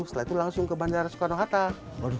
setelah itu langsung ke bandara soekarno hatta